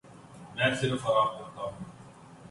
میں صرف آرام کرتا ہوں۔